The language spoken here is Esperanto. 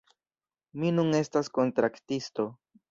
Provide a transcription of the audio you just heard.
Mi nun estas kontraktisto